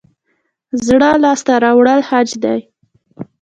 زړه لاس ته راوړل حج دی